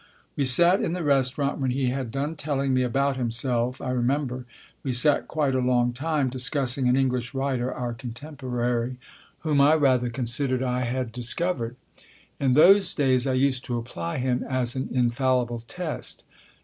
We sat in the restaurant when he had done telling me about himself ; I remember we sat quite a long time dis cussing an English writer our contemporary whom I Book I : My Book 9 rather considered I had discovered. In those days I used to apply him as an infallible test.